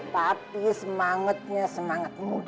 tapi semangatnya semangat muda